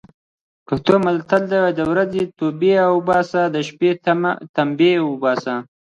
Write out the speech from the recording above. پښتو متل: د ورځې توبې اوباسي، د شپې تمبې اوباسي.